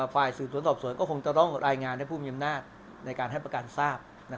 ฝ่ายสื่อสนศัพท์ส่วนก็คงจะร้องลายงานให้ผู้มีอย่างหน้าในการให้ประกันทราบ